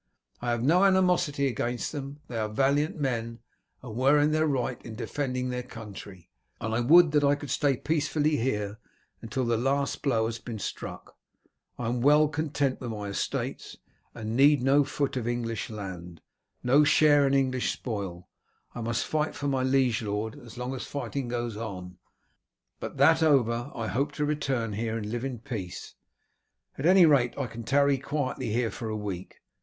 I have no animosity against them, they are valiant men, and were in their right in defending their country, and I would that I could stay peacefully here until the last blow has been struck. I am well content with my estates, and need no foot of English land, no share in English spoil I must fight for my liege lord as long as fighting goes on, but that over I hope to return here and live in peace. At any rate I can tarry quietly here for a week.